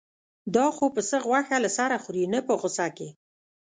دا خو پسه غوښه له سره خوري نه په غوسه کې.